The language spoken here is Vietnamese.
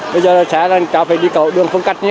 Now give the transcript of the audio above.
bây giờ là xe đang cho phải đi cầu đường phương cách